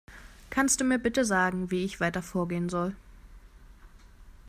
Kannst du mir bitte sagen, wie ich weiter vorgehen soll?